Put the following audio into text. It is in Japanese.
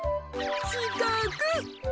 しかく。